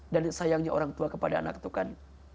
dan sayangnya orang tua kepada anak itu kan